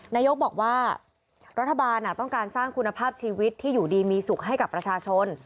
นายกบอกว่ารัฐบาลต้องการสร้างคุณภาพชีวิตที่อยู่ดีมีสุขให้กับประชาชน